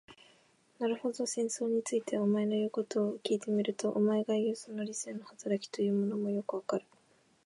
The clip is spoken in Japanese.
なるほど、戦争について、お前の言うことを聞いてみると、お前がいう、その理性の働きというものもよくわかる。